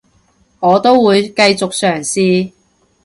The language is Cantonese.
我都會繼續嘗試